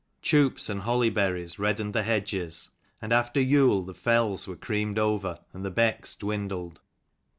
Choups and holly berries reddened the hedges ; and after Yule the fells were creamed over and the becks dwindled.